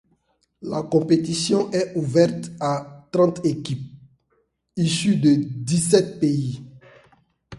La compétition est ouverte à trente équipes, issues de dix-sept pays.